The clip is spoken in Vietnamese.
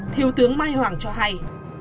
thiếu tướng mai hoàng cho hay